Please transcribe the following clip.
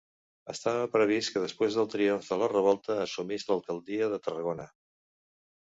Estava previst que després del triomf de la revolta assumís l'alcaldia de Tarragona.